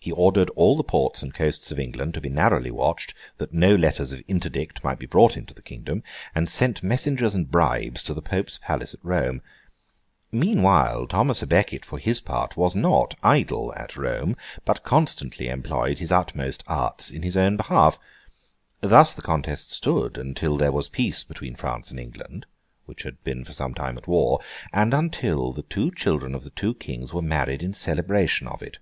He ordered all the ports and coasts of England to be narrowly watched, that no letters of Interdict might be brought into the kingdom; and sent messengers and bribes to the Pope's palace at Rome. Meanwhile, Thomas à Becket, for his part, was not idle at Rome, but constantly employed his utmost arts in his own behalf. Thus the contest stood, until there was peace between France and England (which had been for some time at war), and until the two children of the two Kings were married in celebration of it.